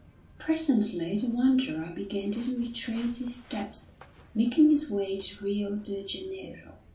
Presently the wanderer began to retrace his steps, making his way to Rio de Janeiro.